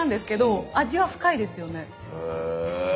へえ。